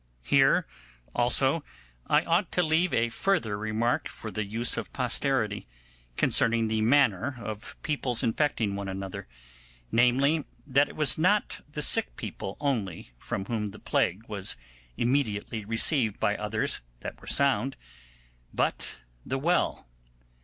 Here also I ought to leave a further remark for the use of posterity, concerning the manner of people's infecting one another; namely, that it was not the sick people only from whom the plague was immediately received by others that were sound, but the well.